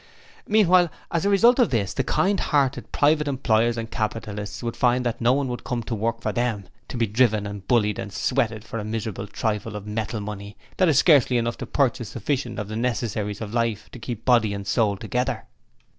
'Meanwhile, as a result of all this, the kind hearted private employers and capitalists would find that no one would come and work for them to be driven and bullied and sweated for a miserable trifle of metal money that is scarcely enough to purchase sufficient of the necessaries of life to keep body and soul together.